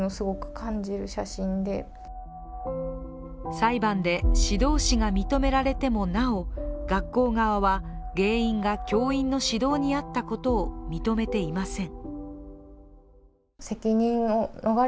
裁判で指導死が認められてもなお、学校側は原因が教員の指導にあったことを認めていません。